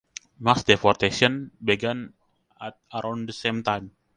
Mass deportations began at around the same time.